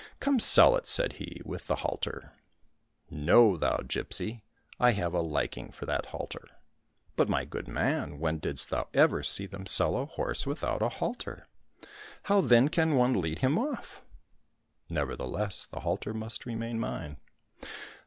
" Come, sell it," said he, " with the halter." —" No, thou gipsy, I have a liking for that halter." —" But, my good man, when didst thou ever see them sell a horse without a halter ? How then can one lead him off ?"—" Nevertheless, the halter must remain mine."